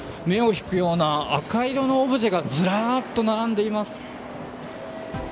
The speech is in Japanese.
目を引くような赤色のオブジェがずらっと並んでいます。